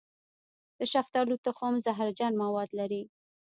د شفتالو تخم زهرجن مواد لري.